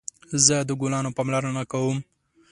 زه د ګلانو پاملرنه کوم